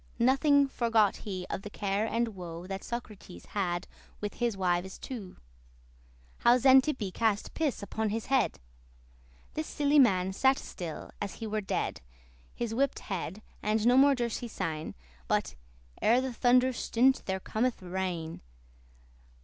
Nothing forgot he of the care and woe That Socrates had with his wives two; How Xantippe cast piss upon his head. This silly man sat still, as he were dead, He wip'd his head, and no more durst he sayn, But, "Ere the thunder stint* there cometh rain."